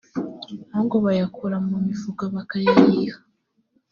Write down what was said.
ahubwo bayakura mu mifuka bakayayiha